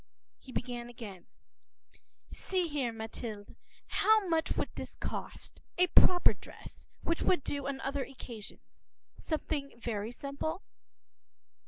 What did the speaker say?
He began again:—“See here, Mathilde, how much would this cost, a proper dress, which would do on other occasions; something very simple?